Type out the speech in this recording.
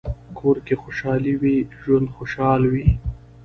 کور که خوشحال وي، ژوند خوشحال وي.